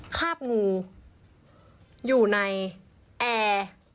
คราบงูอยู่ในแอร์